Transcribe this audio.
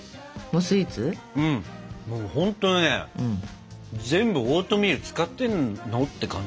ほんとにね全部オートミール使ってんのって感じ。